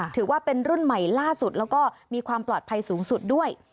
ถือว่าเป็นรุ่นใหม่ล่าสุดแล้วก็มีความปลอดภัยสูงสุดด้วย